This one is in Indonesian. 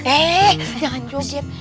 eh jangan cuci